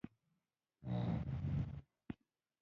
زه املا له زړه زده کوم.